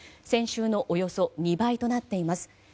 先週のおよそ２倍となっています。